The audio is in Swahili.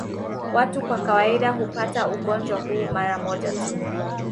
Watu kwa kawaida hupata ugonjwa huu mara moja tu.